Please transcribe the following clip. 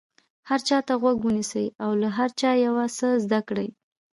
هر چا ته غوږ ونیسئ او له هر چا یو څه زده کړئ.